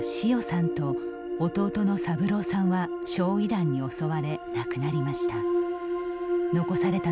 んと弟の三郎さんは焼い弾に襲われ亡くなりました。